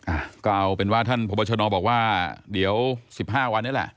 อ่ะก็เอาเป็นว่าท่านพบชนบอกว่าเดี๋ยวสิบห้าวันนี้แหละ